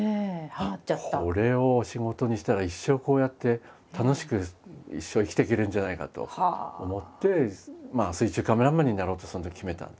あっこれを仕事にしたら一生こうやって楽しく一生生きていけるんじゃないかと思って水中カメラマンになろうとそのとき決めたんですよね。